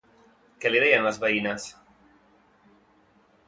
Què li deien les veïnes?